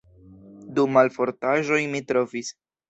Du malfortaĵojn mi trovis.